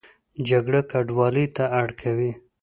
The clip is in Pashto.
جګړه کډوالۍ ته اړ کوي